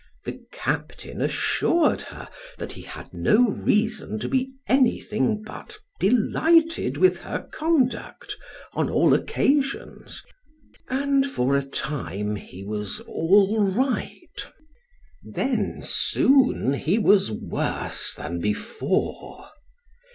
The captain assured her that he had no reason to be anything but delighted with her conduct on all occasions, and for a time he was all right. Then soon he was worse than before.